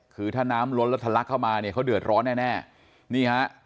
คือถ้าน้ำล้นแล้วทะลักเข้ามาเนี่ยเขาเดือดร้อนแน่แน่นี่ฮะ